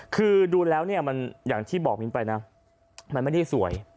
คือดูแล้วเนี่ยมันอย่างที่บอกมิ้นไปนะมันไม่ได้สวย